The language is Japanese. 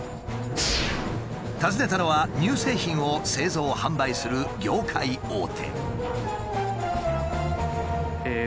訪ねたのは乳製品を製造・販売する業界大手。